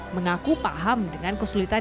mengaku paham dengan kesulitan